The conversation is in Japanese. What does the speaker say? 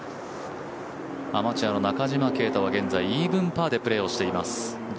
アマチュアの中島啓太は現在イーブンパーでプレーをしています。